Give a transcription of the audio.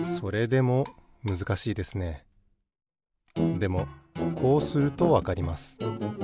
でもこうするとわかります。